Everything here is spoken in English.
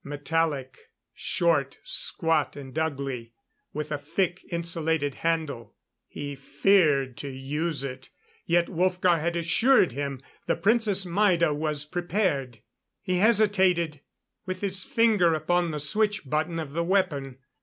Metallic. Short, squat and ugly, with a thick, insulated handle. He feared to use it. Yet Wolfgar had assured him the Princess Maida was prepared. He hesitated, with his finger upon the switch button of the weapon.